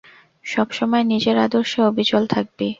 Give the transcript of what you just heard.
সবসময় নিজের আদর্শে অবিচল থাকবি।